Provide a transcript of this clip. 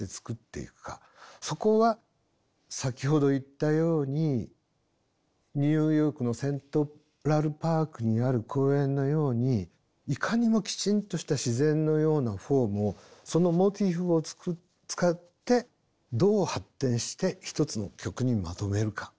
そこは先ほど言ったようにニューヨークのセントラルパークにある公園のようにいかにもきちんとした自然のようなフォームをそのモチーフを使ってどう発展して１つの曲にまとめるか。